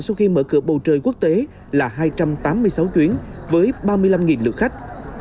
sau khi mở cửa bầu trời quốc tế là hai trăm tám mươi sáu chuyến với ba mươi năm lượt khách